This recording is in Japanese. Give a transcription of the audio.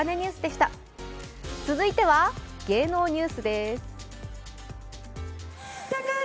続いては芸能ニュースです。